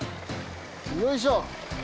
よいしょ。